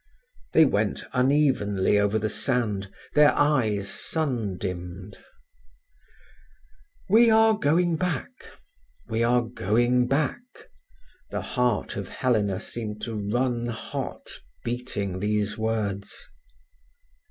They went unevenly over the sand, their eyes sun dimmed. "We are going back—we are going back!" the heart of Helena seemed to run hot, beating these words.